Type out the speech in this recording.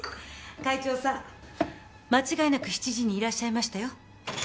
会長さん間違いなく７時にいらっしゃいましたよ。